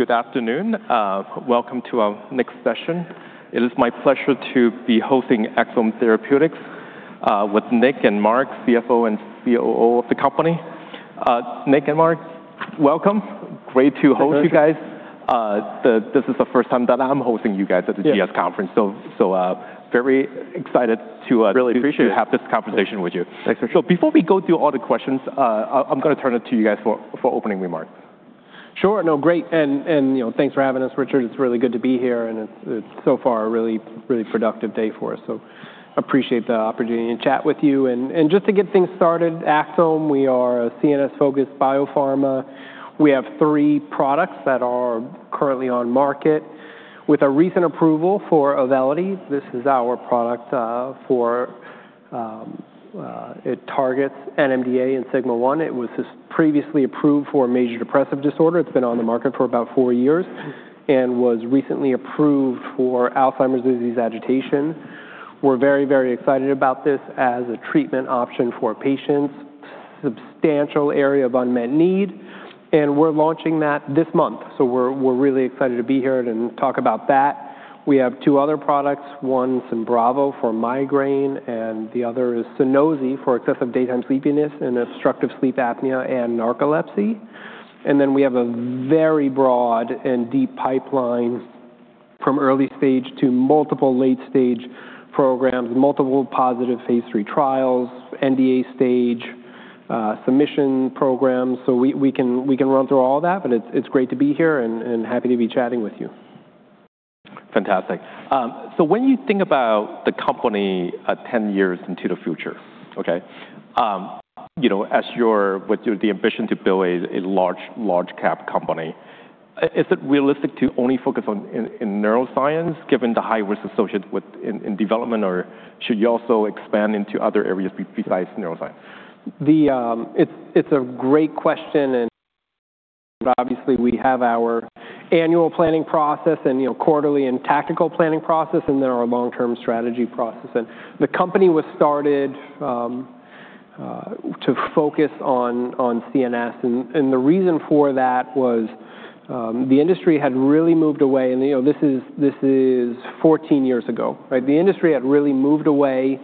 Good afternoon. Welcome to our next session. It is my pleasure to be hosting Axsome Therapeutics with Nick and Mark, CFO and COO of the company. Nick and Mark, welcome. Great to host you guys. Thanks, Richard. This is the first time that I'm hosting you guys at- Yeah the GS Conference, very excited to- Really appreciate it have this conversation with you. Thanks, Richard. Before we go through all the questions, I'm going to turn it to you guys for opening remarks. Sure. No, great. Thanks for having us, Richard. It's really good to be here, and it's so far a really productive day for us. Appreciate the opportunity to chat with you. Just to get things started, Axsome, we are a CNS-focused biopharma. We have three products that are currently on market with a recent approval for AUVELITY. This is our product. It targets NMDA and sigma-1. It was previously approved for major depressive disorder. It's been on the market for about four years and was recently approved for Alzheimer's disease agitation. We're very excited about this as a treatment option for patients, substantial area of unmet need, and we're launching that this month, so we're really excited to be here and talk about that. We have two other products, one SYMBRAVO for migraine, and the other is SUNOSI for excessive daytime sleepiness and obstructive sleep apnea and narcolepsy. We have a very broad and deep pipeline from early stage to multiple late stage programs, multiple positive phase III trials, NDA stage submission programs. We can run through all that, but it's great to be here and happy to be chatting with you. Fantastic. When you think about the company 10 years into the future, okay, with the ambition to build a large cap company, is it realistic to only focus in neuroscience given the high risk associated in development or should you also expand into other areas besides neuroscience? It's a great question, and obviously, we have our annual planning process and quarterly and tactical planning process, and then our long-term strategy process. The company was started to focus on CNS, and the reason for that was the industry had really moved away, and this is 14 years ago, right? The industry had really moved away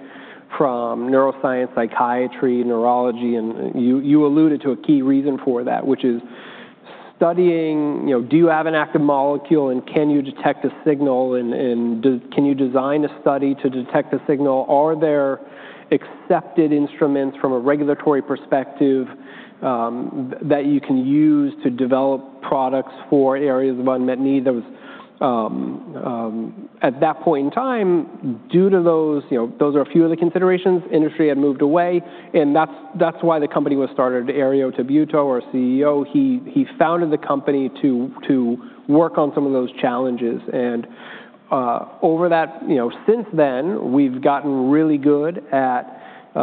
from neuroscience, psychiatry, neurology, and you alluded to a key reason for that, which is studying do you have an active molecule, and can you detect a signal, and can you design a study to detect a signal? Are there accepted instruments from a regulatory perspective that you can use to develop products for areas of unmet need? At that point in time, those are a few of the considerations, industry had moved away, and that's why the company was started. Herriot Tabuteau, our CEO, he founded the company to work on some of those challenges. Since then, we've gotten really good at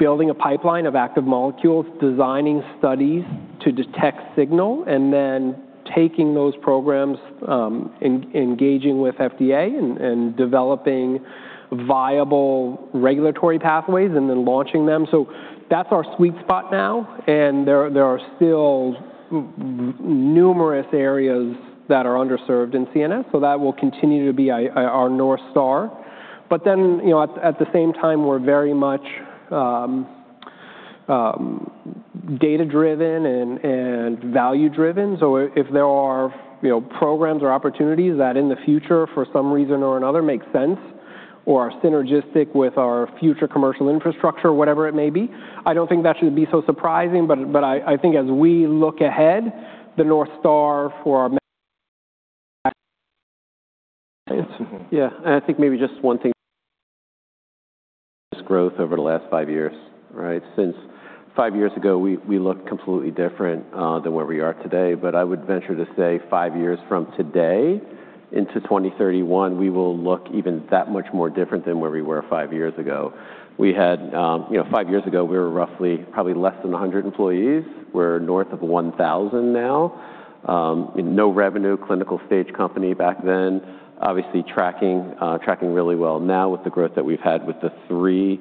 building a pipeline of active molecules, designing studies to detect signal, taking those programs, engaging with FDA, and developing viable regulatory pathways, and launching them. That's our sweet spot now, and there are still numerous areas that are underserved in CNS, so that will continue to be our North Star. At the same time, we're very much data-driven and value-driven. If there are programs or opportunities that in the future, for some reason or another, make sense or are synergistic with our future commercial infrastructure, whatever it may be, I don't think that should be so surprising. I think as we look ahead, the North Star for our- Yeah. I think maybe just one thing this growth over the last five years, right? Since five years ago, we looked completely different than where we are today, but I would venture to say five years from today into 2031, we will look even that much more different than where we were five years ago. Five years ago, we were roughly probably less than 100 employees. We're north of 1,000 now. No revenue clinical stage company back then. Obviously tracking really well now with the growth that we've had with the three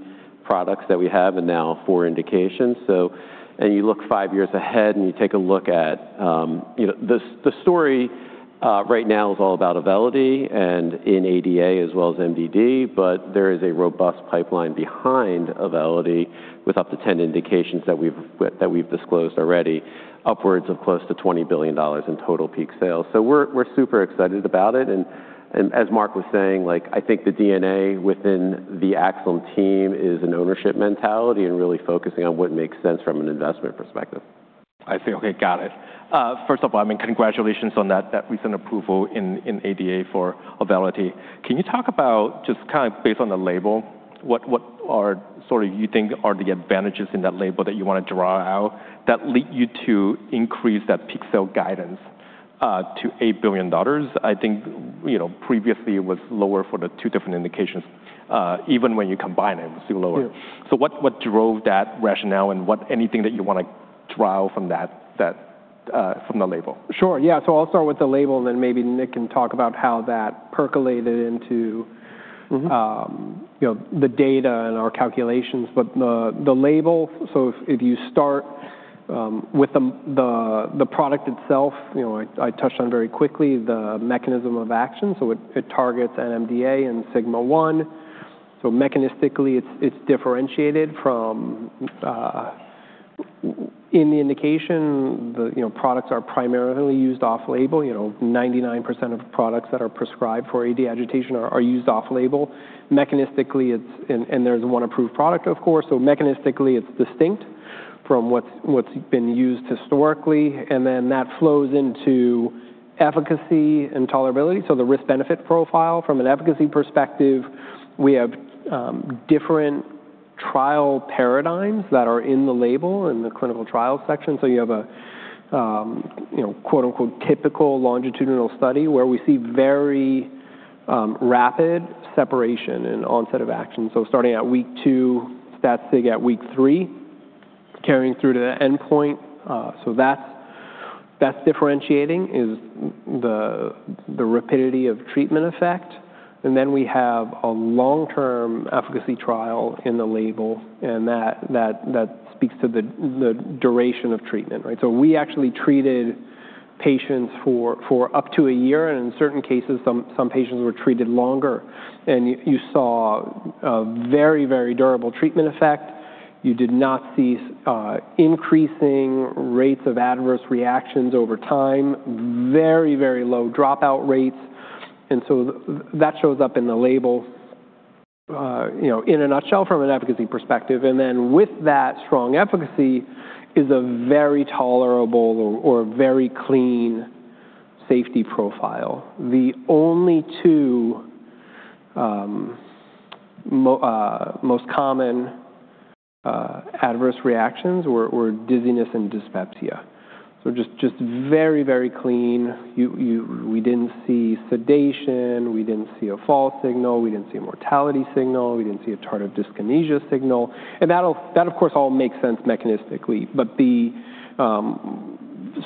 products that we have and now four indications. You look five years ahead, and you take a look at the story right now is all about AUVELITY and in ADA as well as MDD, but there is a robust pipeline behind AUVELITY with up to 10 indications that we've disclosed already, upwards of close to $20 billion in total peak sales. We're super excited about it. As Mark was saying, I think the DNA within the Axsome team is an ownership mentality and really focusing on what makes sense from an investment perspective. I see. Okay, got it. First of all, congratulations on that recent approval in ADA for AUVELITY. Can you talk about just based on the label, what you think are the advantages in that label that you want to draw out that lead you to increase that peak sale guidance to $8 billion? I think previously it was lower for the two different indications. Even when you combine it was still lower. Yeah. What drove that rationale, and anything that you want to trial from the label? Sure. Yeah. I'll start with the label, and then maybe Nick can talk about how that percolated into the data and our calculations. The label, if you start with the product itself, I touched on very quickly the mechanism of action. It targets NMDA and sigma-1. Mechanistically, it's differentiated from In the indication, the products are primarily used off-label. 99% of products that are prescribed for AD agitation are used off-label. There's one approved product, of course. Mechanistically, it's distinct from what's been used historically, and then that flows into efficacy and tolerability, so the risk-benefit profile. From an efficacy perspective, we have different trial paradigms that are in the label in the clinical trials section. You have a "typical longitudinal study" where we see very rapid separation and onset of action. Starting at week two, stats peak at week three, carrying through to the endpoint. That's differentiating is the rapidity of treatment effect. Then we have a long-term efficacy trial in the label, and that speaks to the duration of treatment. Right? We actually treated patients for up to a year, and in certain cases, some patients were treated longer. You saw a very durable treatment effect. You did not see increasing rates of adverse reactions over time. Very low dropout rates. That shows up in the label in a nutshell from an efficacy perspective. Then with that strong efficacy is a very tolerable or very clean safety profile. The only two most common adverse reactions were dizziness and dyspepsia. Just very clean. We didn't see sedation. We didn't see a false signal. We didn't see a mortality signal. We didn't see a tardive dyskinesia signal. That, of course, all makes sense mechanistically.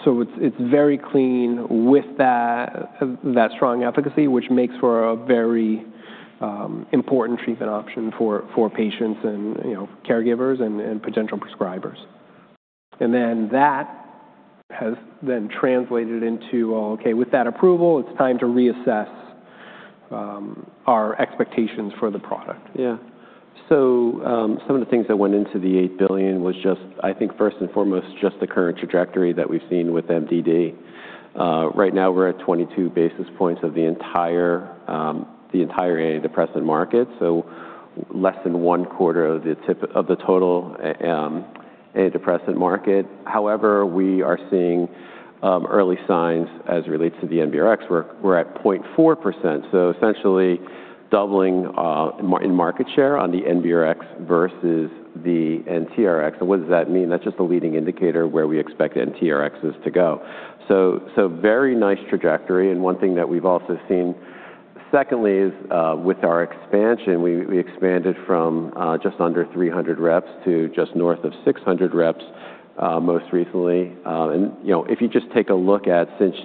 It's very clean with that strong efficacy, which makes for a very important treatment option for patients and caregivers and potential prescribers. That has then translated into, okay, with that approval, it's time to reassess our expectations for the product. Some of the things that went into the $8 billion was first and foremost, the current trajectory that we've seen with MDD. We're at 22 basis points of the entire antidepressant market. Less than one-quarter of the total antidepressant market. However, we are seeing early signs as it relates to the NBRx. We're at 0.4%. Essentially doubling in market share on the NBRx versus the NTRx. What does that mean? That's just a leading indicator where we expect NTRxs to go. Very nice trajectory, one thing that we've also seen, secondly, is with our expansion. We expanded from just under 300 reps to just north of 600 reps most recently. If you just take a look at since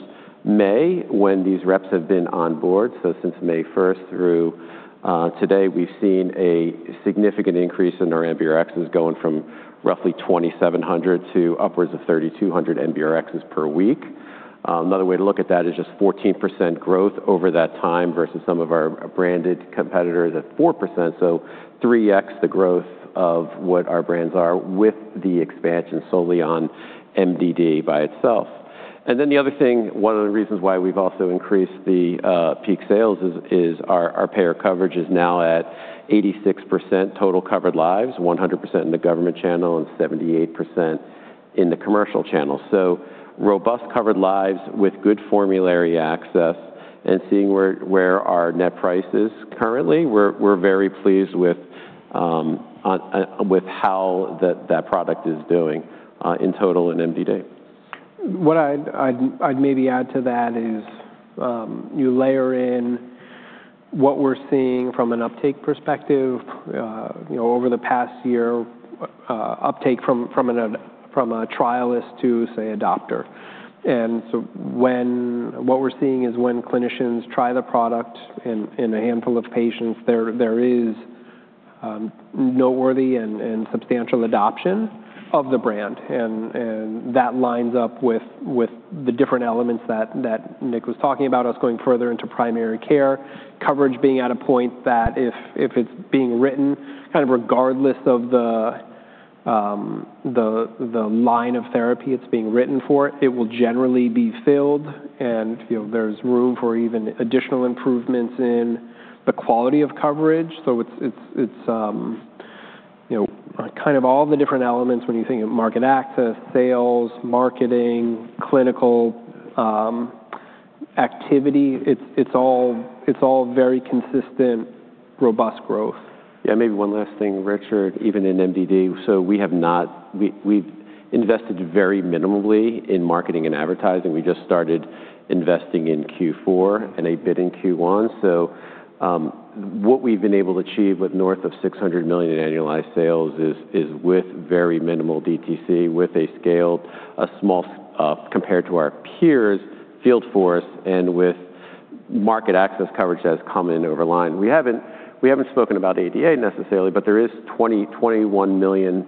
May, when these reps have been on board, since May 1st through today, we've seen a significant increase in our NBRxs going from roughly 2,700 to upwards of 3,200 NBRxs per week. Another way to look at that is just 14% growth over that time versus some of our branded competitors at 4%. 3x the growth of what our brands are with the expansion solely on MDD by itself. The other thing, one of the reasons why we've also increased the peak sales is our payer coverage is now at 86% total covered lives, 100% in the government channel and 78% in the commercial channel. Robust covered lives with good formulary access and seeing where our net price is currently, we're very pleased with how that product is doing in total in MDD. What I'd maybe add to that is you layer in what we're seeing from an uptake perspective over the past year, uptake from a trialist to, say, adopter. What we're seeing is when clinicians try the product in a handful of patients, there is noteworthy and substantial adoption of the brand, and that lines up with the different elements that Nick Pizzie was talking about, us going further into primary care, coverage being at a point that if it's being written, kind of regardless of the line of therapy it's being written for, it will generally be filled, and there's room for even additional improvements in the quality of coverage. It's kind of all the different elements when you think of market access, sales, marketing, clinical activity. It's all very consistent, robust growth. Yeah, maybe one last thing, Richard. Even in MDD, we've invested very minimally in marketing and advertising. We just started investing in Q4 and a bit in Q1. What we've been able to achieve with north of $600 million in annualized sales is with very minimal DTC, with a scaled, small compared to our peers, field force, and with market access coverage that has come in over line. We haven't spoken about ADA necessarily, but there is 21 million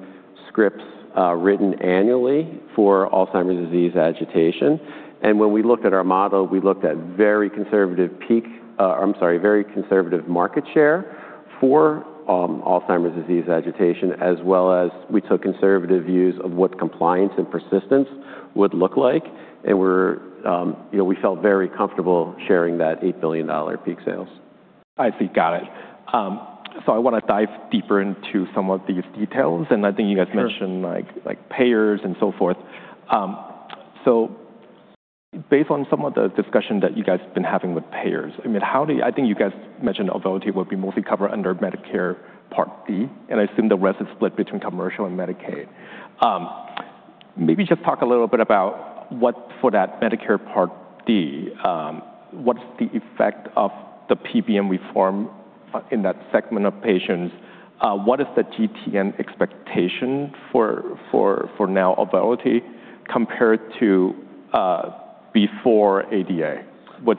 scripts written annually for Alzheimer's disease agitation. When we looked at our model, we looked at very conservative market share for Alzheimer's disease agitation, as well as we took conservative views of what compliance and persistence would look like. We felt very comfortable sharing that $8 billion peak sales. I see. Got it. I want to dive deeper into some of these details, and I think you guys mentioned payers and so forth. Based on some of the discussion that you guys have been having with payers, I think you guys mentioned AUVELITY would be mostly covered under Medicare Part D, and I assume the rest is split between commercial and Medicaid. Maybe just talk a little bit about for that Medicare Part D, what's the effect of the PBM reform in that segment of patients? What is the GTN expectation for now AUVELITY compared to before ADA?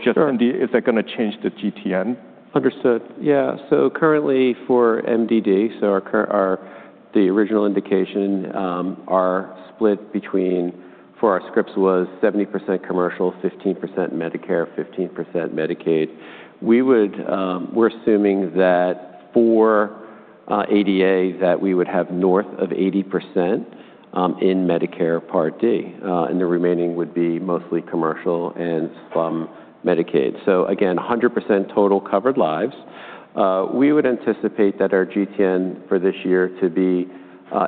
Sure. Is that going to change the GTN? Understood. Yeah. Currently for MDD, the original indication for our scripts was 70% commercial, 15% Medicare, 15% Medicaid. We're assuming that for ADA, that we would have north of 80% in Medicare Part D, and the remaining would be mostly commercial and some Medicaid. Again, 100% total covered lives. We would anticipate that our GTN for this year to be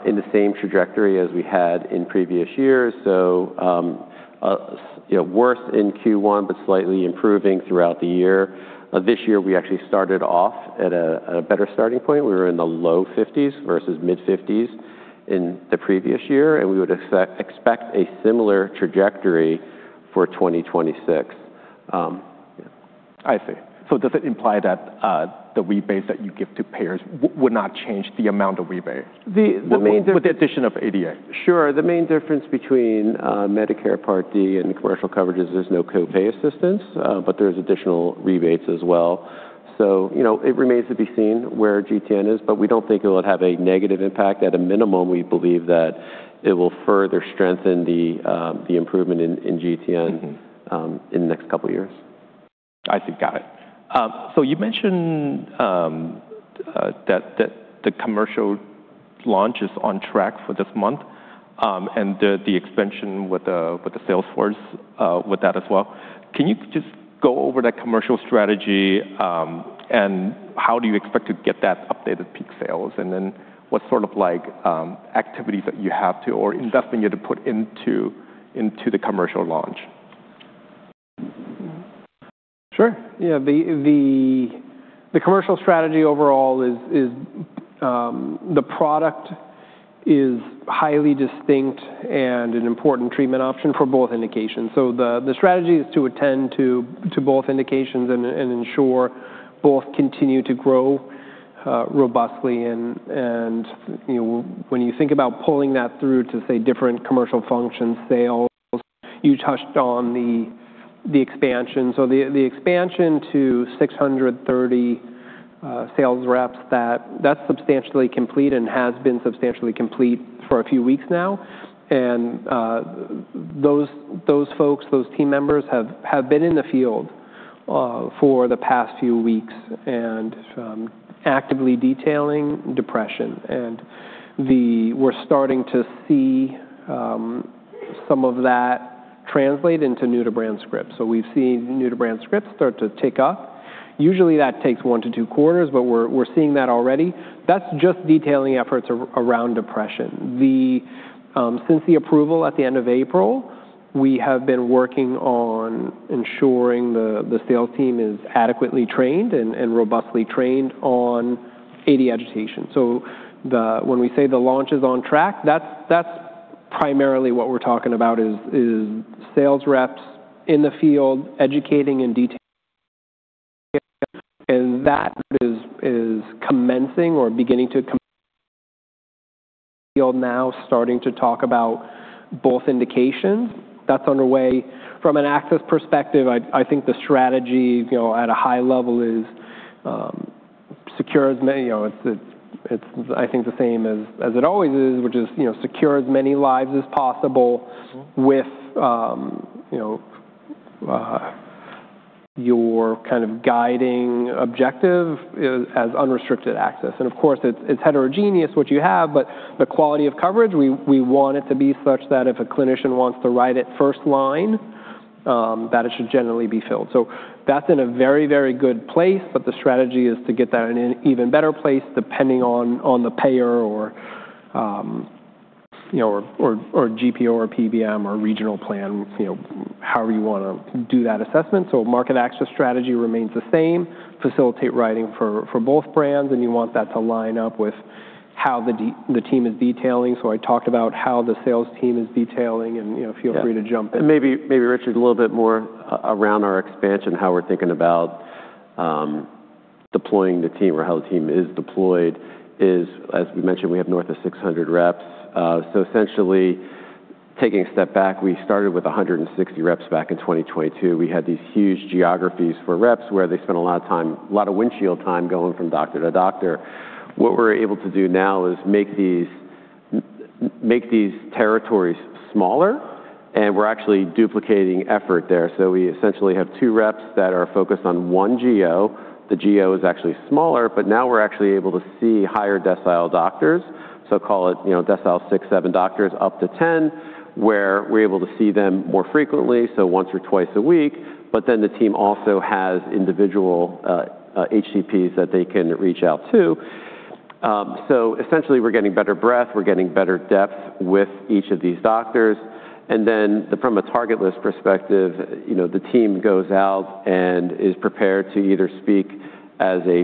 in the same trajectory as we had in previous years. Worse in Q1, but slightly improving throughout the year. This year, we actually started off at a better starting point. We were in the low 50s versus mid 50s in the previous year, and we would expect a similar trajectory for 2026. Yeah. I see. Does it imply that the rebates that you give to payers would not change the amount of rebate? The main- With the addition of ADA. Sure. The main difference between Medicare Part D and commercial coverage is there's no co-pay assistance, but there's additional rebates as well. It remains to be seen where GTN is, but we don't think it will have a negative impact. At a minimum, we believe that it will further strengthen the improvement in GTN. in the next couple of years. I see. Got it. You mentioned that the commercial launch is on track for this month, the expansion with the sales force with that as well. Can you just go over that commercial strategy? How do you expect to get that updated peak sales? What sort of activities that you have to, or investing you had to put into the commercial launch? Sure. Yeah, the commercial strategy overall is the product is highly distinct and an important treatment option for both indications. The strategy is to attend to both indications and ensure both continue to grow robustly. When you think about pulling that through to, say, different commercial functions, sales, you touched on the expansion. The expansion to 630 sales reps, that's substantially complete and has been substantially complete for a few weeks now. Those folks, those team members, have been in the field for the past few weeks and actively detailing depression. We're starting to see some of that translate into new-to-brand scripts. We've seen new-to-brand scripts start to tick up. Usually, that takes one to two quarters, but we're seeing that already. That's just detailing efforts around depression. Since the approval at the end of April, we have been working on ensuring the sales team is adequately trained and robustly trained on AD agitation. When we say the launch is on track, that's primarily what we're talking about, is sales reps in the field educating and detailing. That is commencing or beginning to commence, field now starting to talk about both indications. That's underway. From an access perspective, I think the strategy at a high level is secure as many lives as possible with your kind of guiding objective as unrestricted access. Of course, it's heterogeneous what you have, but the quality of coverage, we want it to be such that if a clinician wants to write it first line, that it should generally be filled. That's in a very good place, but the strategy is to get that in an even better place depending on the payer or GPO or PBM or regional plan, however you want to do that assessment. Market access strategy remains the same. Facilitate writing for both brands, and you want that to line up with how the team is detailing. I talked about how the sales team is detailing and feel free to jump in. Maybe, Richard, a little more around our expansion, how we're thinking about deploying the team or how the team is deployed is, as we mentioned, we have north of 600 reps. Essentially, taking a step back, we started with 160 reps back in 2022. We had these huge geographies for reps where they spent a lot of windshield time going from doctor to doctor. We're able to do now is make these territories smaller, and we're actually duplicating effort there. We essentially have two reps that are focused on one geo. The geo is actually smaller, now we're actually able to see higher decile doctors. Call it decile 6, 7 doctors up to 10, where we're able to see them more frequently, once or twice a week. The team also has individual HCPs that they can reach out to. Essentially, we're getting better breadth, we're getting better depth with each of these doctors. From a target list perspective, the team goes out and is prepared to either speak as a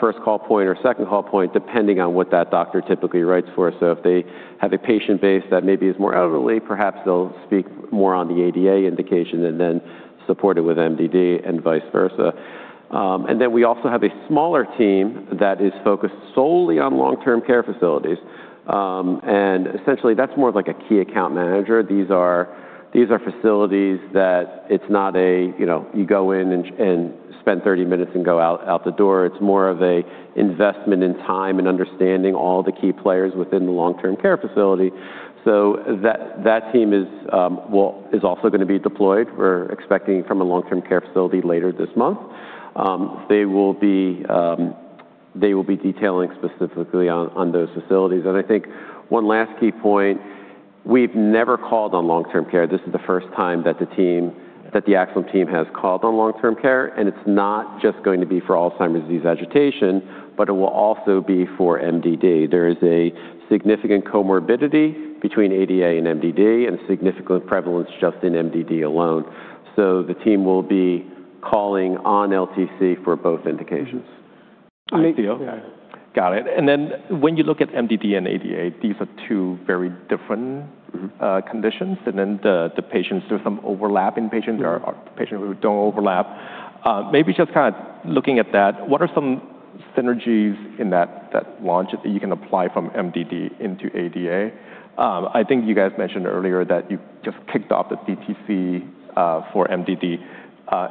first call point or second call point, depending on what that doctor typically writes for us. If they have a patient base that maybe is more elderly, perhaps they'll speak more on the ADA indication and then support it with MDD and vice versa. We also have a smaller team that is focused solely on long-term care facilities. That's more of a key account manager. These are facilities that it's not a you go in and spend 30 minutes and go out the door. It's more of an investment in time and understanding all the key players within the long-term care facility. That team is also going to be deployed. We're expecting from a long-term care facility later this month. They will be detailing specifically on those facilities. I think one last key point, we've never called on long-term care. This is the first time that the Axsome team has called on long-term care, and it's not just going to be for Alzheimer's disease agitation, but it will also be for MDD. There is a significant comorbidity between ADA and MDD and a significant prevalence just in MDD alone. The team will be calling on LTC for both indications. I see. Yeah. Got it. When you look at MDD and ADA, these are two very different conditions. The patients, there's some overlap in patients. There are patients who don't overlap. Maybe just kind of looking at that, what are some synergies in that launch that you can apply from MDD into ADA? I think you guys mentioned earlier that you just kicked off the DTC for MDD.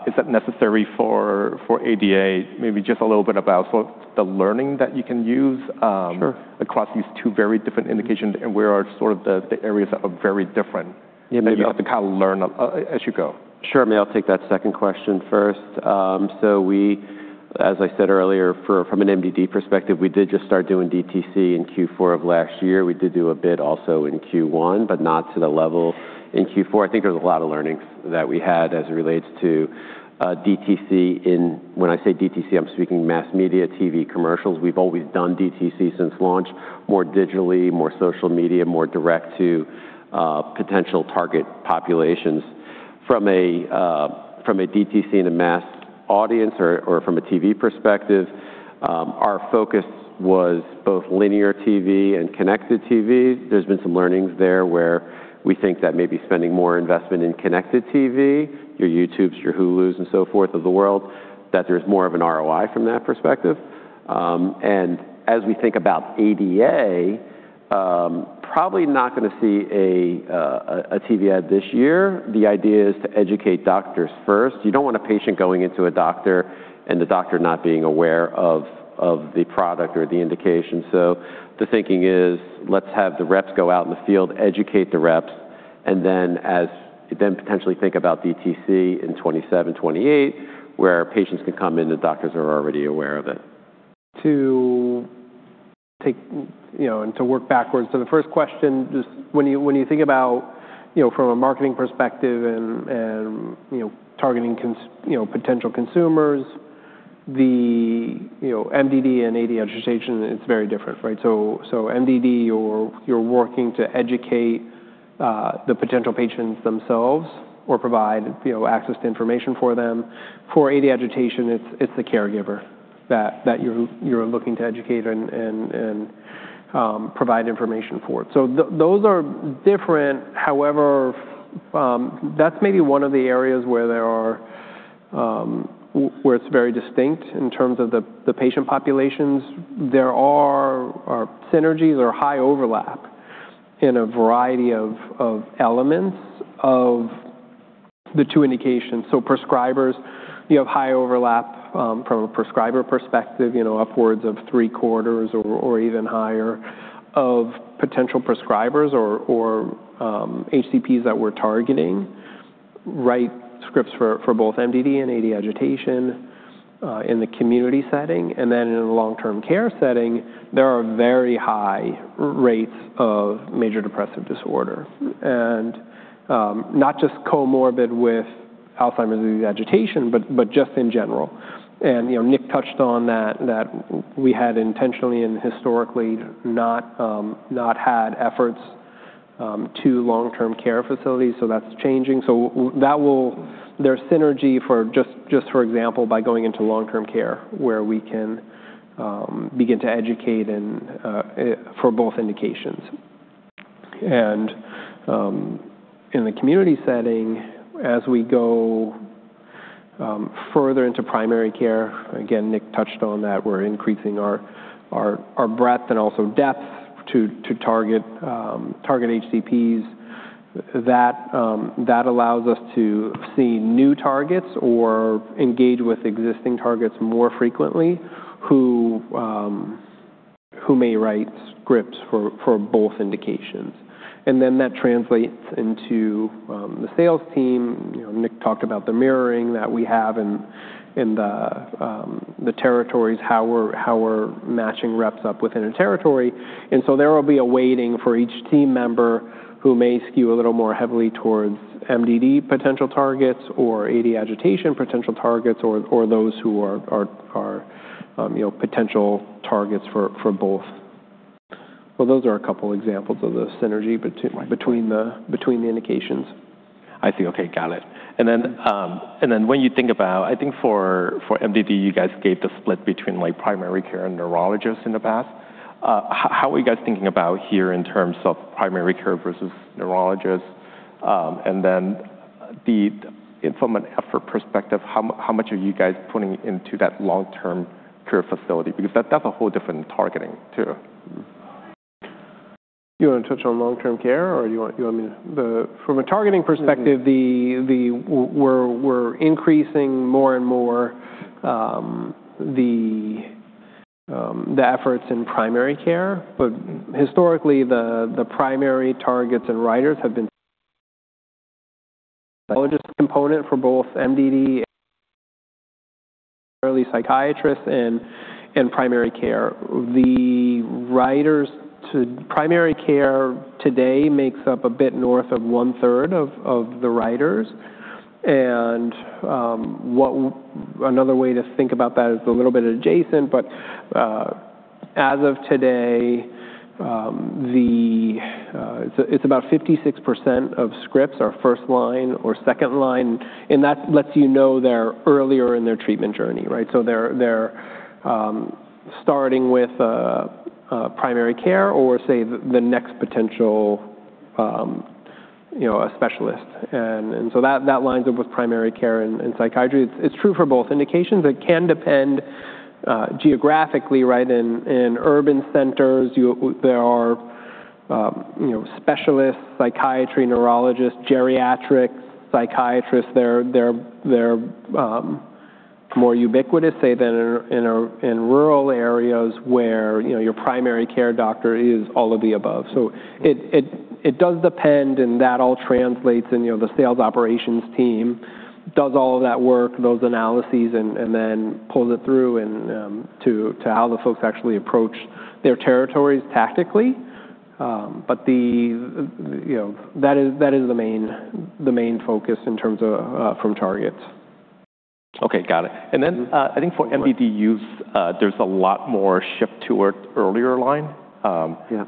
Is that necessary for ADA? Maybe just a little bit about the learning that you can use- Sure across these two very different indications, and where are the areas that are very different- Yeah, maybe I'll- that you have to learn as you go? Sure, maybe I'll take that second question first. We, as I said earlier, from an MDD perspective, we did just start doing DTC in Q4 of last year. We did do a bit also in Q1, but not to the level in Q4. I think there's a lot of learnings that we had as it relates to DTC. When I say DTC, I'm speaking mass media, TV commercials. We've always done DTC since launch, more digitally, more social media, more direct-to potential target populations. From a DTC in a mass audience or from a TV perspective, our focus was both linear TV and connected TV. There's been some learnings there where we think that maybe spending more investment in connected TV, your YouTubes, your Hulus and so forth of the world, that there's more of an ROI from that perspective. As we think about ADA, probably not going to see a TV ad this year. The idea is to educate doctors first. You don't want a patient going into a doctor and the doctor not being aware of the product or the indication. The thinking is, let's have the reps go out in the field, educate the reps, and then potentially think about DTC in 2027, 2028, where patients can come in, the doctors are already aware of it. To work backwards to the first question, just when you think about from a marketing perspective and targeting potential consumers, the MDD and AD agitation, it's very different, right? MDD, you're working to educate the potential patients themselves or provide access to information for them. For AD agitation, it's the caregiver that you're looking to educate and provide information for. Those are different. However, that's maybe one of the areas where it's very distinct in terms of the patient populations. There are synergies or high overlap in a variety of elements of the two indications. Prescribers, you have high overlap from a prescriber perspective, upwards of three-quarters or even higher of potential prescribers or HCPs that we're targeting write scripts for both MDD and AD agitation in the community setting. In a long-term care setting, there are very high rates of major depressive disorder, not just comorbid with Alzheimer's disease agitation, but just in general. Nick touched on that we had intentionally and historically not had efforts to long-term care facilities, that's changing. There's synergy for just for example, by going into long-term care, where we can begin to educate for both indications. In the community setting, as we go further into primary care, again, Nick touched on that, we're increasing our breadth and also depth to target HCPs. That allows us to see new targets or engage with existing targets more frequently, who may write scripts for both indications. That translates into the sales team. Nick talked about the mirroring that we have in the territories, how we're matching reps up within a territory. There will be a waiting for each team member who may skew a little more heavily towards MDD potential targets or AD agitation potential targets, or those who are potential targets for both. Those are a couple examples of the synergy between the indications. I see. Okay, got it. When you think about, I think for MDD, you guys gave the split between primary care and neurologists in the past. How are you guys thinking about here in terms of primary care versus neurologists? From an effort perspective, how much are you guys putting into that long-term care facility? Because that's a whole different targeting, too. You want to touch on long-term care, or you want me to? From a targeting perspective, we're increasing more and more the efforts in primary care. Historically, the primary targets and writers have been component for both MDD early psychiatrists and primary care. The writers to primary care today makes up a bit north of one-third of the writers. Another way to think about that is a little bit adjacent, but as of today, it's about 56% of scripts are first line or second line, and that lets you know they're earlier in their treatment journey, right? They're starting with primary care or, say, the next potential specialist. That lines up with primary care and psychiatry. It's true for both indications. It can depend geographically, right? In urban centers, there are specialists, psychiatry, neurologists, geriatrics, psychiatrists. They're more ubiquitous, say, than in rural areas where your primary care doctor is all of the above. It does depend, that all translates, the sales operations team does all of that work, those analyses, then pulls it through to how the folks actually approach their territories tactically. That is the main focus in terms of from targets. Okay, got it. I think for MDD use, there's a lot more shift toward earlier line. Yeah.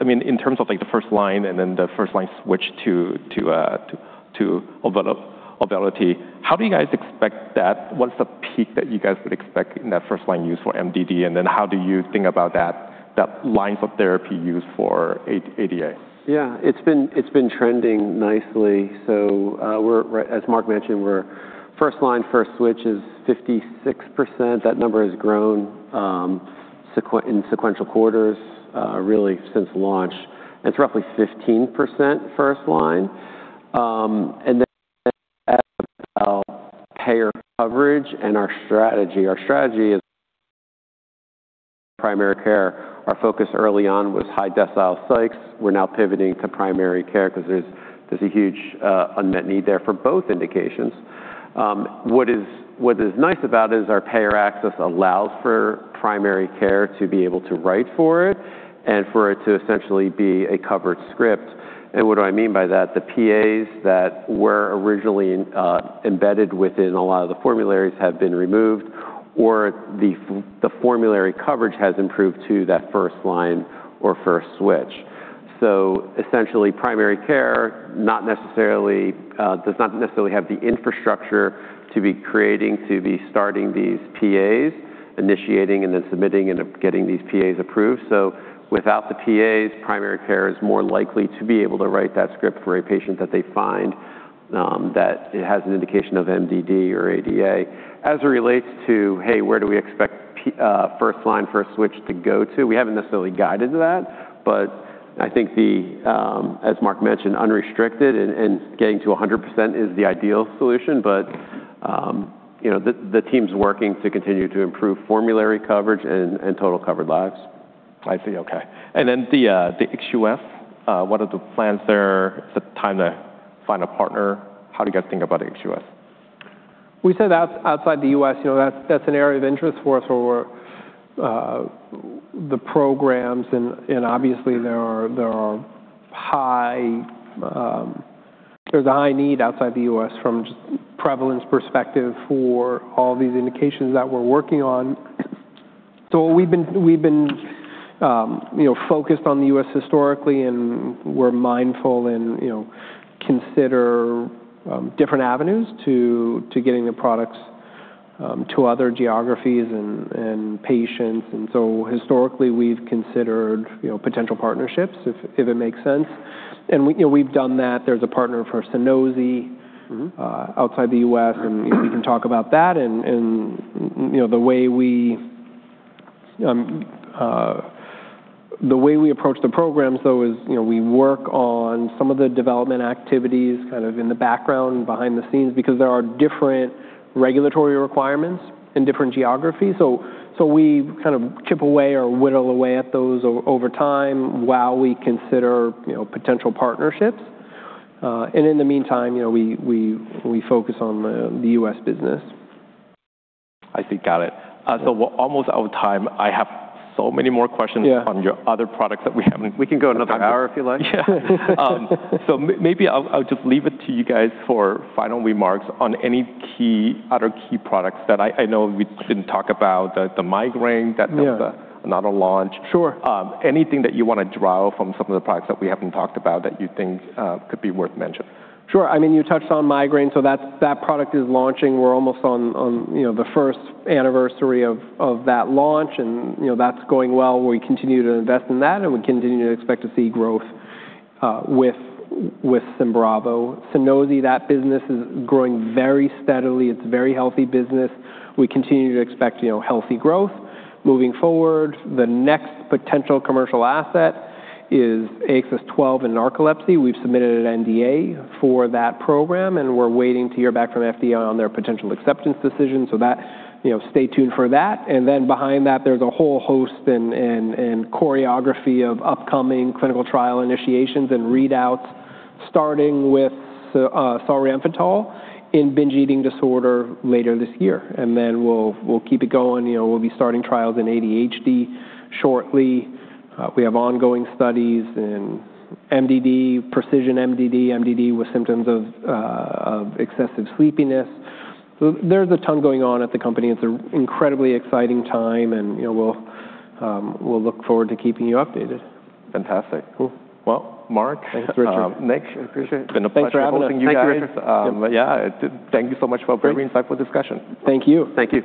In terms of the first line, the first line switch to AUVELITY, how do you guys expect that? What's the peak that you guys would expect in that first-line use for MDD, how do you think about that lines of therapy used for ADA? Yeah, it's been trending nicely. As Mark mentioned, first line, first switch is 56%. That number has grown in sequential quarters, really since launch. It's roughly 15% first line. Payer coverage and our strategy. Our strategy is primary care. Our focus early on was high-decile psychs. We're now pivoting to primary care because there's a huge unmet need there for both indications. What is nice about it is our payer access allows for primary care to be able to write for it and for it to essentially be a covered script. What do I mean by that? The PAs that were originally embedded within a lot of the formularies have been removed, or the formulary coverage has improved to that first line or first switch. Essentially, primary care does not necessarily have the infrastructure to be creating, to be starting these PAs, initiating and then submitting and getting these PAs approved. Without the PAs, primary care is more likely to be able to write that script for a patient that they find that has an indication of MDD or ADA. As it relates to, hey, where do we expect first line, first switch to go to? We haven't necessarily guided to that, I think, as Mark mentioned, unrestricted and getting to 100% is the ideal solution. The team's working to continue to improve formulary coverage and total covered lives. I see. Okay. The ex-US, what are the plans there? Is it time to find a partner? How do you guys think about ex-US? We say that's outside the U.S. That's an area of interest for us, or the programs, obviously, there's a high need outside the U.S. from just prevalence perspective for all these indications that we're working on. We've been focused on the U.S. historically, and we're mindful and consider different avenues to getting the products to other geographies and patients. Historically, we've considered potential partnerships, if it makes sense. We've done that. There's a partner for SUNOSI outside the U.S., we can talk about that and the way we approach the programs, though, is we work on some of the development activities kind of in the background behind the scenes, because there are different regulatory requirements in different geographies. We kind of chip away or whittle away at those over time while we consider potential partnerships. In the meantime, we focus on the U.S. business. I see. Got it. We're almost out of time. I have so many more questions. Yeah on your other products that we haven't. We can go another hour, if you like. Yeah. Maybe I'll just leave it to you guys for final remarks on any other key products that I know we didn't talk about, the migraine that was another launch. Sure. Anything that you want to draw from some of the products that we haven't talked about that you think could be worth mentioning? Sure. I mean, you touched on migraine, that product is launching. We're almost on the first anniversary of that launch, that's going well. We continue to invest in that, we continue to expect to see growth with SYMBRAVO. SUNOSI, that business is growing very steadily. It's a very healthy business. We continue to expect healthy growth moving forward. The next potential commercial asset is AXS-12 in narcolepsy. We've submitted an NDA for that program, we're waiting to hear back from FDA on their potential acceptance decision, stay tuned for that. Behind that, there's a whole host and choreography of upcoming clinical trial initiations and readouts, starting with solriamfetol in binge eating disorder later this year. We'll keep it going. We'll be starting trials in ADHD shortly. We have ongoing studies in MDD, precision MDD with symptoms of excessive sleepiness. There's a ton going on at the company. It's an incredibly exciting time, we'll look forward to keeping you updated. Fantastic. Cool. Well, Mark. Thanks, Richard. Nick, I appreciate it. It's been a pleasure hosting you guys. Thanks for having us. Thank you. Yeah. Thank you so much for a very insightful discussion. Thank you. Thank you.